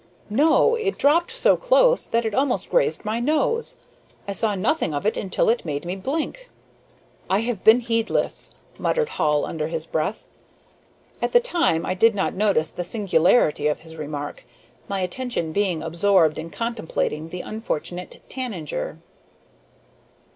"No, it dropped so close that it almost grazed my nose. I saw nothing of it until it made me blink." "I have been heedless," muttered Hall under his breath. At the time I did not notice the singularity of his remark, my attention being absorbed in contemplating the unfortunate tanager.